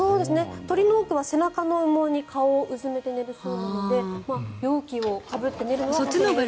鳥の多くは背中の羽毛に顔をうずめて寝るそうなので容器をかぶって寝るのは。